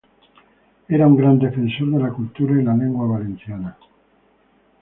Era un gran defensor de la cultura y la lengua valenciana.